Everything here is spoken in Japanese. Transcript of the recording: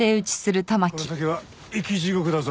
この先は生き地獄だぞ。